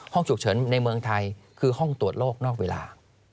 ห้องฉุกเฉินในเมืองไทยคือห้องตรวจโลกนอกเวลา